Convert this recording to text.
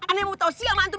anemmu tau siapa antum